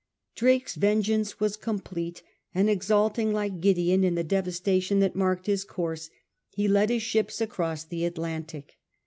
^ Drake's vengeance was complete, and exulting like Gideon in the devastation that marked his course, he led VIII DESCENT ON HISPANIOLA 103 his ships across the Atlantic.